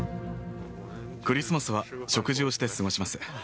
クリスマスは食事をして過ごします。